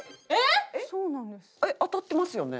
当たってますよね？